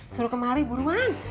suruh kemari buruan